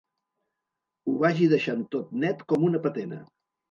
Ho vagi deixant tot net com una patena.